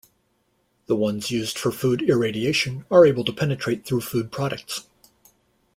The ones used for food irradiation are able to penetrate through food products.